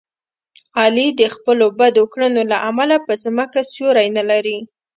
علي د خپلو بدو کړنو له امله په ځمکه سیوری نه لري.